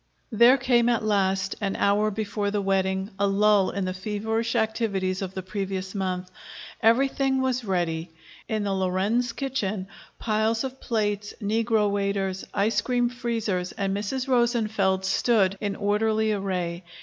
There came, at last, an hour before the wedding, a lull in the feverish activities of the previous month. Everything was ready. In the Lorenz kitchen, piles of plates, negro waiters, ice cream freezers, and Mrs. Rosenfeld stood in orderly array.